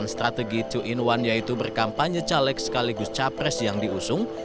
strategi dua in satu yaitu berkampanye caleg sekaligus capres yang diusung